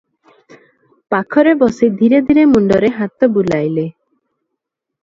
ପାଖରେ ବସି ଧୀରେ ଧୀରେ ମୁଣ୍ଡରେ ହାତ ବୁଲାଇଲେ ।"